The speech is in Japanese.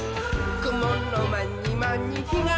「くものまにまにひがさせば」